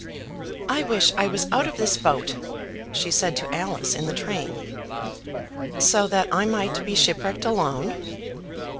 "I wish I was out of this boat," she said to Alice in the train. "So that I might be shipwrecked alone!"